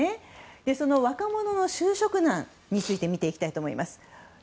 その若者の就職難について見ていきたいと思います。